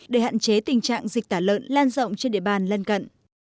để hạn chế tình trạng dịch tả lợn lan rộng trên địa bàn